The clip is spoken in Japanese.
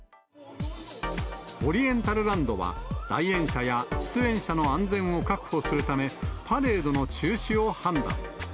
オリエンタルランドは、来園者や出演者の安全を確保するため、パレードの中止を判断。